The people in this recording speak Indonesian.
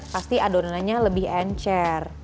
pasti adonannya lebih encer